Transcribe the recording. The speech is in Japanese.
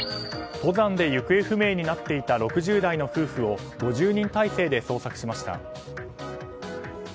登山で行方不明になっていた６０代の夫婦を５０人態勢で捜索しました。